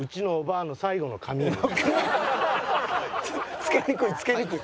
付けにくい付けにくい。